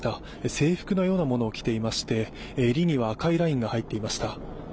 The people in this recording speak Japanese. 制服のようなものを着ていまして襟には赤いラインが入っていました。